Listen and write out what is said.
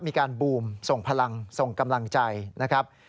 มีการบูมส่งพลังส่งกำลังใจนะครับ